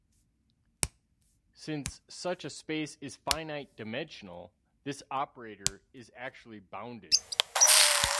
Since such a space is finite-dimensional, this operator is actually bounded.